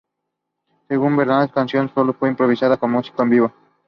Según Vedder, la canción fue sólo una improvisación musical en vivo.